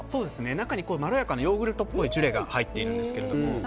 中にまろやかなヨーグルトっぽいジュレが入っているんですが。